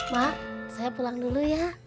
mak saya pulang dulu ya